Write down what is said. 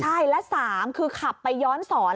ใช่และสามคือขับไปย้อนศร